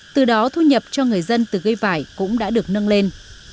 từ đó thu nhập cho người dân từ cây vải cũng đã được nâng lên